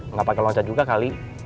nggak pakai loncat juga kali